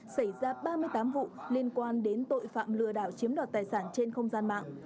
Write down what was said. xảy ra ba mươi tám vụ liên quan đến tội phạm lừa đảo chiếm đoạt tài sản trên không gian mạng